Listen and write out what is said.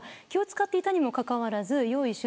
気を使っていたにもかかわらず用意